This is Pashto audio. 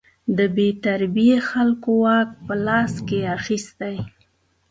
د بې تربیې خلکو واک په لاس کې اخیستی.